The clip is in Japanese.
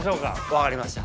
分かりました。